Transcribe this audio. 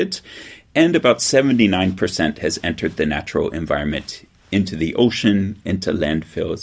dan tujuh puluh sembilan persen telah masuk ke alam semesta ke laut ke lantai ke jalan air